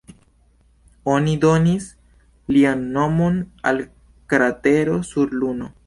Oni donis lian nomon al kratero sur Luno.